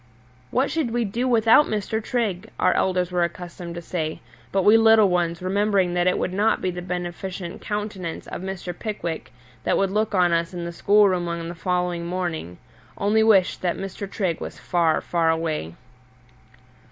"What should we do without Mr. Trigg?" our elders were accustomed to say; but we little ones, remembering that it would not be the beneficent countenance of Mr. Pickwick that would look on us in the schoolroom on the following morning, only wished that Mr. Trigg was far, far away.